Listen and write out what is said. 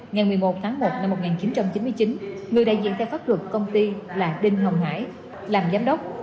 ngày một mươi một tháng một năm một nghìn chín trăm chín mươi chín người đại diện theo pháp luật công ty là đinh hồng hải làm giám đốc